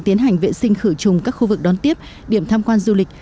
tiến hành vệ sinh khử trùng các khu vực đón tiếp điểm tham quan du lịch